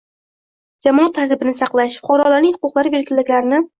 jamoat tartibini saqlash, fuqarolarning huquqlari va erkinliklarini